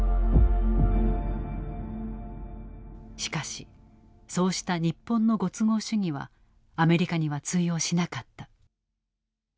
しかしそうした日本のご都合主義はアメリカには通用しなかった。